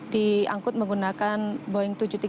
diangkut menggunakan boeing tujuh ratus tiga puluh